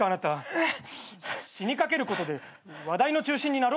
えっ！？